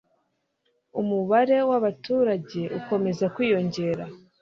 umubare w'abaturage ukomeza kwiyongera